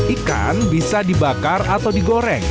ikan bisa dibakar atau digoreng